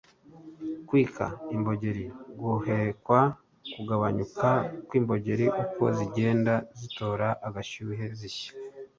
kwika (imbogeri) guhokwa, kugabanyuka kw'imbogeri uko zigenda zitora agashyuhe zishya